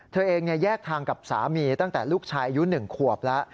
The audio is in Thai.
เธอเองแยกทางกับสามีตั้งแต่ลูกชายอายุ๑ขวบแล้ว